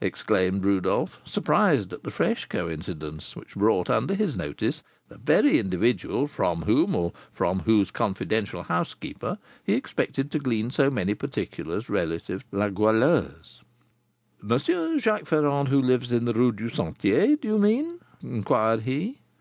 exclaimed Rodolph, surprised at the fresh coincidence which brought under his notice the very individual from whom, or from whose confidential housekeeper, he expected to glean so many particulars relative to La Goualeuse. "M. Jacques Ferrand, who lives in the Rue du Sentier, do you mean?" inquired he.